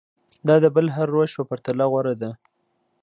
دا د بل هر روش په پرتله غوره ده.